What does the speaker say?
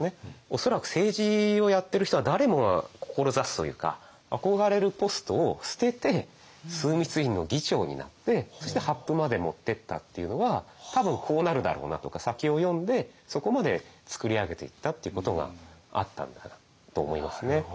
恐らく政治をやってる人は誰もが志すというか憧れるポストを捨てて枢密院の議長になってそして発布まで持ってったというのは「多分こうなるだろうな」とか先を読んでそこまでつくり上げていったということがあったんだなと思いますね。